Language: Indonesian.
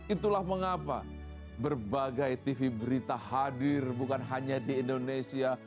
itulah mengapa berbagai tv berita hadir bukan hanya di indonesia